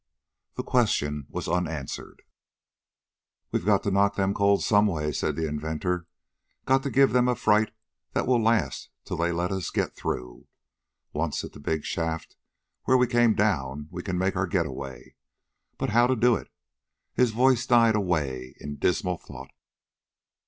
The question was unanswered. "We've got to knock them cold some way," said the inventor. "Got to give them a fright that will last till they let us get through. Once at the big shaft where we came down, we can make our getaway. But how to do it...." His voice died away in dismal thought.